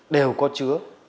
đều có chứa